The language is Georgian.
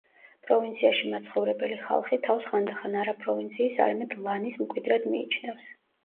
პროვინციაში მაცხოვრებელი ხალხი თავს ხანდახან არა პროვინციის არამედ ლანის მკვიდრად მიიჩნევს.